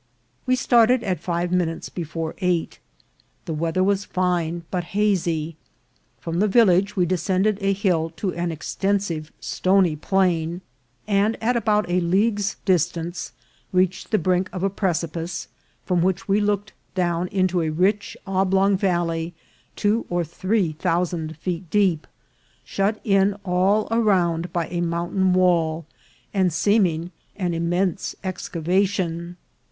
We started at five minutes before eight. The weath er was fine, but hazy. From the village we descended a hill to an extensive stony plain, and at about a league's distance reached the brink of a precipice, from which we looked down into a rich oblong valley, two or three thousand feet deep, shut in all around by a mountain wall, and seeming an immense excavation.